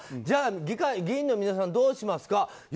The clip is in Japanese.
じゃあ議員の皆さんどうしますか。